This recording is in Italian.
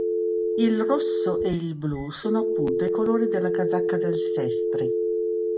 Il rosso e il blu sono appunto i colori della casacca del Sestri.